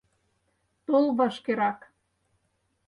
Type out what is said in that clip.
Тол вашкерак!